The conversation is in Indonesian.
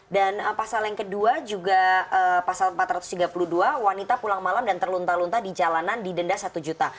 dan pasal yang kedua juga pasal empat ratus tiga puluh dua wanita pulang malam dan terlunta lunta di jalanan didenda rp satu juta